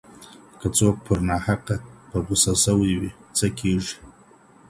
که څوک پر ناحقه په غصه سوی وي څه کيږي؟